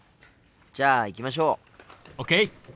じゃあ行きましょう！ＯＫ！